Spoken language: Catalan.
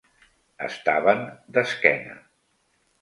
Estaven d'esquena.